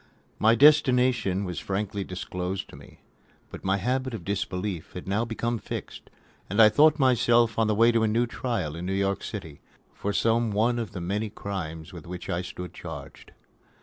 My destination was frankly disclosed to me. But my habit of disbelief had now become fixed, and I thought myself on the way to a trial in New York City, for some one of the many crimes with which I stood charged.